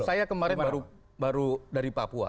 saya kemarin baru dari papua